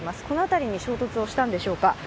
この辺りに衝突をしたんでしょうか。